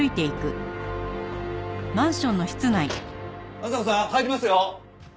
阿佐子さん入りますよ？